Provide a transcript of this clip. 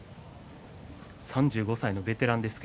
３５歳のベテランです。